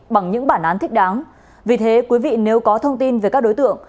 bằng những bản án thích đáng vì thế quý vị nếu có thông tin về các đối tượng